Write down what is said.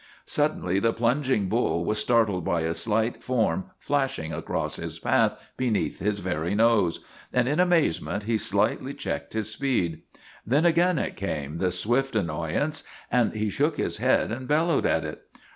Suddenly the plunging bull was startled by a slight form flashing across his path beneath his very nose, and in amazement he slightly checked his speed. Then again it came, the swift annoyance, and he shook his head and bellowed at it.